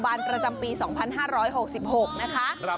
ประจำปี๒๕๖๖นะคะ